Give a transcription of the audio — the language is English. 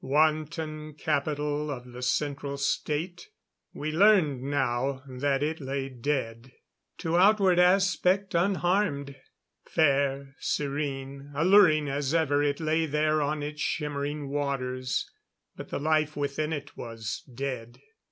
Wanton capital of the Central State, we learned now that it lay dead. To outward aspect, unharmed. Fair, serene, alluring as ever it lay there on its shimmering waters; but the life within it, was dead.